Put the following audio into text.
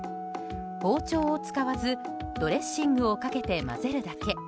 包丁を使わずドレッシングをかけて混ぜるだけ。